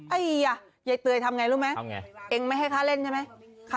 ไอ้ยายายเต๋วยทำไงรู้ไหมเอ็งไม่ให้ข้าเล่นใช่ไหมครับ